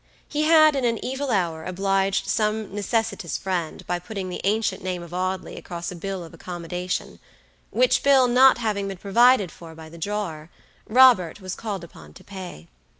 He had in an evil hour obliged some necessitous friend by putting the ancient name of Audley across a bill of accommodation, which bill not having been provided for by the drawer, Robert was called upon to pay.